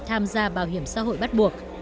tham gia bảo hiểm xã hội bắt buộc